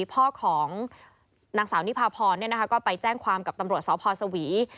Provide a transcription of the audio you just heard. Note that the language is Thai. พ่อของนางสาวนิพาพรก็ไปแจ้งความกับตำรวจสพสวี